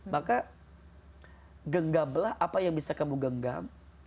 maka genggamlah apa yang bisa kamu genggam